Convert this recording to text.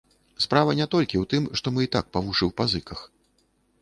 Справа не толькі ў тым, што мы і так па вушы ў пазыках.